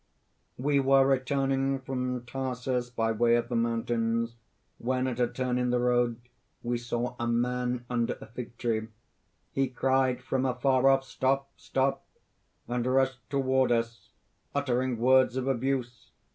"We were returning from Tarsus by way of the mountains, when, at a turn in the road, we saw a man under a fig tree. "He cried from afar off: 'Stop! stop!' and rushed toward us, uttering words of abuse.